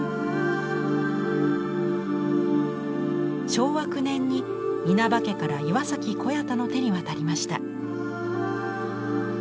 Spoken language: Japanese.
昭和９年に稲葉家から岩小彌太の手に渡りました。